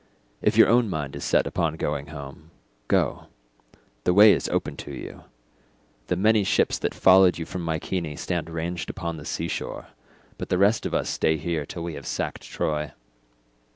If your own mind is set upon going home—go—the way is open to you; the many ships that followed you from Mycene stand ranged upon the sea shore; but the rest of us stay here till we have sacked Troy.